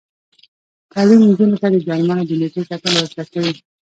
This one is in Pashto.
تعلیم نجونو ته د درملو د نیټې کتل ور زده کوي.